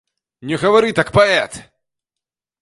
Не гавары так, паэт!